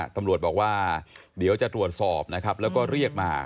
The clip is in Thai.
ตำรวจบอกว่าเดี๋ยวจะตรวจสอบนะครับแล้วก็เรียกมา